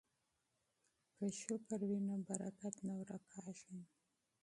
که شکر وي نو برکت نه ورکیږي.